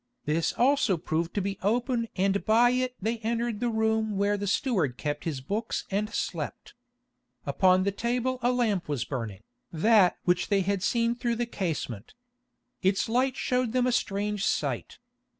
This also proved to be open and by it they entered the room where the steward kept his books and slept. Upon the table a lamp was burning, that which they had seen through the casement. Its light showed them a strange sight.